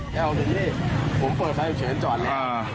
เอ้าเดี๋ยวนี้ผมเปิดไฟเฉยจอดแล้ว